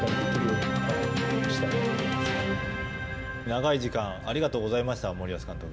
長い時間ありがとうございました、森保監督。